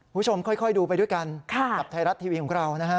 คุณผู้ชมค่อยดูไปด้วยกันกับไทยรัฐทีวีของเรานะฮะ